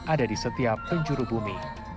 ada di setiap penjuru bumi